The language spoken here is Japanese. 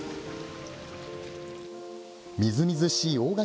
みずみずしい大垣